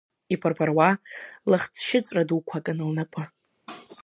Иԥыр-ԥыруа лыхцәшьыҵәра дуқәа акын лнапы.